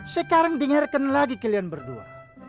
sekarang dengarkan lagi kalian berdua